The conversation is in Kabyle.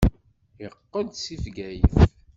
Yeqqel-d seg Bgayet.